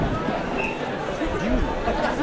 竜の話題です。